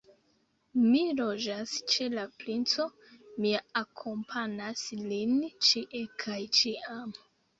Mi loĝas ĉe la princo, mia akompanas lin ĉie kaj ĉiam.